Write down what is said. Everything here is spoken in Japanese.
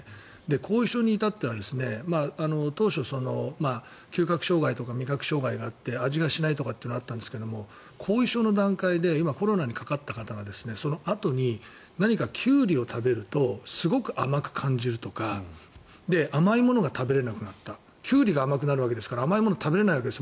後遺症に至っては当初、嗅覚障害とか味覚障害とかがあって味がしないとかってのがあったんですが後遺症の段階で今コロナにかかった人がそのあとに何かキュウリを食べるとすごく甘く感じるとか甘いものが食べられなくなったキュウリが甘くなるわけですから甘いもの食べれないわけです